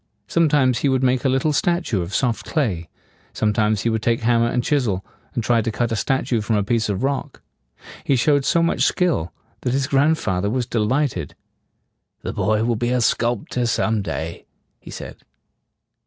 Sometimes he would make a little statue of soft clay; sometimes he would take hammer and chisel, and try to cut a statue from a piece of rock. He showed so much skill that his grandfather was de light ed. "The boy will be a sculp tor some day," he said.